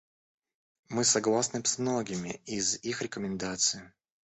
Мы согласны с многими из их рекомендаций.